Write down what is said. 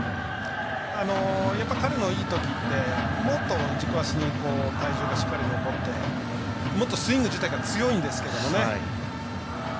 やっぱり彼のいいときってもっと軸足に体重がしっかり残ってもっとスイング自体が強いんですけどもね。